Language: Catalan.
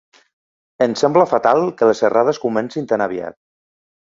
Em sembla fatal que les errades comencin tan aviat.